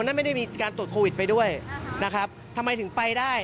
นั่นไม่ได้มีการตรวจโควิดไปด้วยนะครับทำไมถึงไปได้